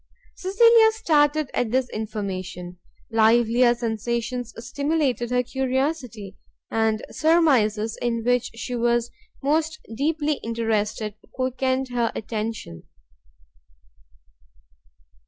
Cecilia started at this information, livelier sensations stimulated her curiosity, and surmises in which she was most deeply interested quickened her attention.